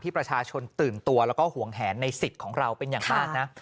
ประชาชนตื่นตัวแล้วก็ห่วงแหนในสิทธิ์ของเราเป็นอย่างมากนะ